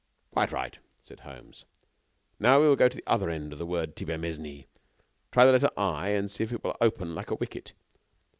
"Quite right," said Holmes. "Now, we will go to the other end of the word Thibermesnil, try the letter I, and see if it will open like a wicket."